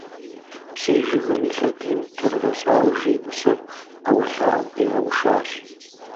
Псей жыгым и лъэдийм кӀэрыгъэщӀауэ жей Мыщэр ӏэуэлъауэм къигъэушащ.